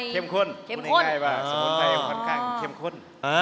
สมุนไพรค่อนข้างเข้มข้น